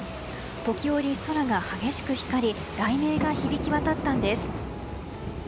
時折、空が激しく光り雷鳴が響き渡ったんです。